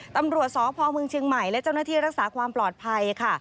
ตำรวจสพเมืองเชียงใหม่และเจ้าหน้าที่รักษาความปลอดภัยค่ะ